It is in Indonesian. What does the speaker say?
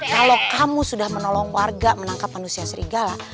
kalau kamu sudah menolong warga menangkap manusia serigala